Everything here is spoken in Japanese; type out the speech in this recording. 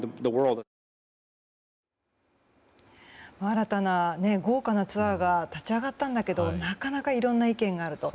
新たな豪華なツアーが立ち上がったんだけどなかなかいろいろな意見があると。